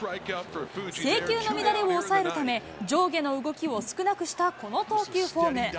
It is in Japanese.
制球の乱れを抑えるため、上下の動きを少なくしたこの投球フォーム。